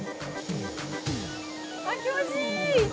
あっ気持ちいい！